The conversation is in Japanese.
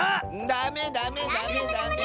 ダメダメダメダメ！